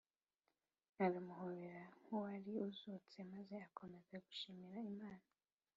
Aramuhobera nk’uwari uzutse, maze akomeza gushimira Imana